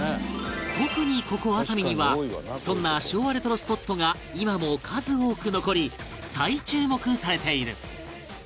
特にここ熱海にはそんな昭和レトロスポットが今も数多く残り再注目されている